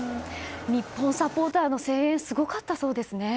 日本サポーターの声援すごかったそうですね。